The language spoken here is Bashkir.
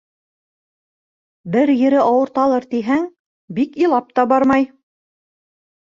Бер ере ауырталыр тиһәң, бик илап та бармай.